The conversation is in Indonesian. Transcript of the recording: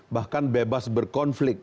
bahkan bebas berkonflik